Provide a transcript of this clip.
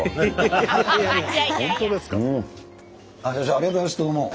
ありがとうございますどうも。